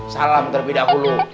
salam terlebih dahulu